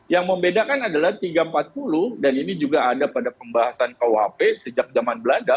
yang membedakan adalah tiga ratus empat puluh dan ini juga ada pada pembahasan kuhp sejak zaman belanda